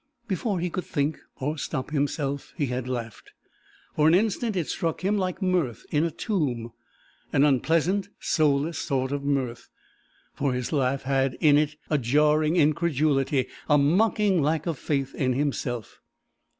Before he could think, or stop himself, he had laughed. For an instant it struck him like mirth in a tomb, an unpleasant, soulless sort of mirth, for his laugh had in it a jarring incredulity, a mocking lack of faith in himself.